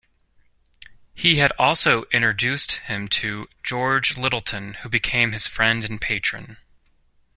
He had also introduced him to George Lyttelton, who became his friend and patron.